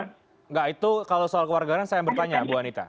enggak itu kalau soal keluarga saya yang bertanya bu anita